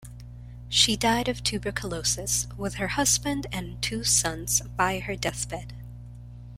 She died of tuberculosis, with her husband and two sons by her deathbed.